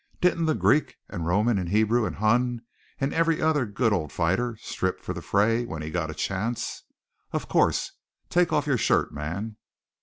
Didn't the Greek and Roman and Hebrew and Hun and every other good old fighter 'strip for the fray' when he got a chance? Of course! Takeoff your shirt, man!"